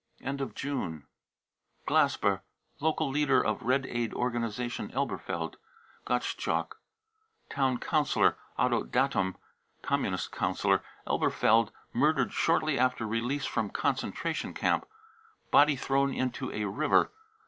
id of June, glasper, local leader of Red Aid organisation, Elberfeld. gottschalk, town councillor, otto dattem, Communist councillor, Elberfeld, murdered shortly after release from concentration camp, body thrown into a river.